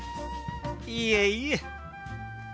いえいえ。